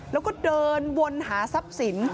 แล้วก็เดินวนหาทรัพย์สิน